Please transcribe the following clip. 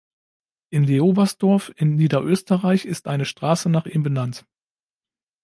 In Leobersdorf in Niederösterreich ist eine Straße nach ihm benannt.